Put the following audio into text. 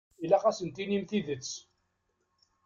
Ilaq ad asen-tinim tidet.